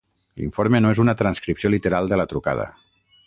L'informe no és una transcripció literal de la trucada.